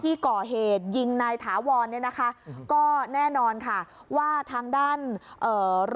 ที่ก่อเหตุยิงนายถาวรเนี่ยนะคะก็แน่นอนค่ะว่าทางด้านเอ่อ